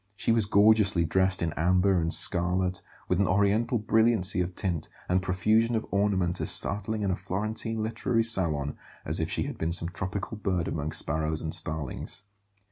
She was gorgeously dressed in amber and scarlet, with an Oriental brilliancy of tint and profusion of ornament as startling in a Florentine literary salon as if she had been some tropical bird among sparrows and starlings.